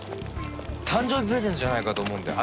誕生日プレゼントじゃないかと思うんだよ。